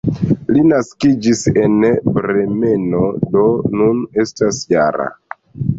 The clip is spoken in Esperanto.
Li naskiĝis en Bremeno, do nun estas -jara.